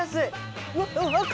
うわっ！